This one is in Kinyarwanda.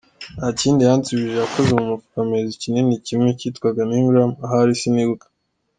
Nta kindi yansubije yakoze mu mufuka ampereza ikinini kimwe kitwaga nigram ahari sinibuka.